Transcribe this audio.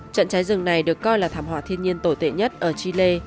trận cháy rừng này được coi là thảm họa thiên nhiên tồi tệ nhất ở chile